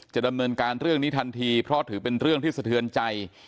ดำเนินการเรื่องนี้ทันทีเพราะถือเป็นเรื่องที่สะเทือนใจ